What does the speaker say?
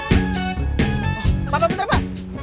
oh apa apa betapa